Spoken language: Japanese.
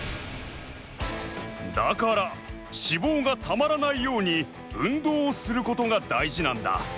だから脂肪がたまらないように運動をすることがだいじなんだ。